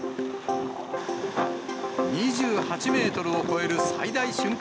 ２８メートルを超える最大瞬間